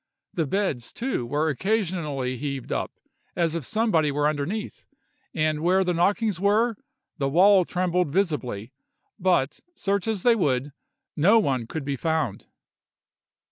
The beds, too, were occasionally heaved up, as if somebody were underneath, and where the knockings were, the wall trembled visibly, but, search as they would, no one could be found.